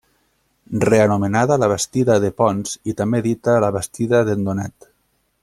Reanomenada la bastida de Ponts i també dita la bastia d'en Donat.